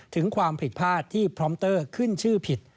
ถึงความผิดพลาดที่พร้อมเตอร์ขึ้นชื่อผิด